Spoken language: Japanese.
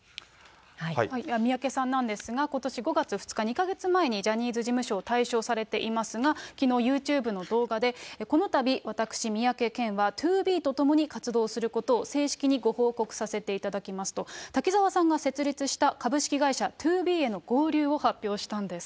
三宅さんなんですが、ことし５月２日、２か月前にジャニーズ事務所を退所されていますが、きのう、ユーチューブの動画で、このたび私、三宅健は、ＴＯＢＥとともに活動することを正式にご報告させていただきますと、滝沢さんが設立した株式会社ＴＯＢＥへの合流を発表したんです。